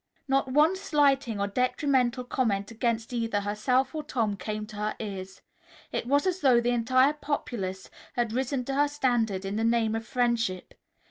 Not one slighting or detrimental comment against either herself or Tom came to her ears. It was as though the entire populace had risen to her standard in the name of friendship.